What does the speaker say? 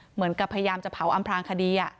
เหมือนกับพยายามจะเผาอำพลางคดี